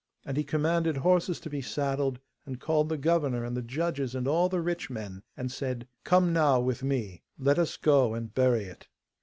And he commanded horses to be saddled, and called the governor and the judges and all the rich men, and said: 'Come now with me; let us go and bury it.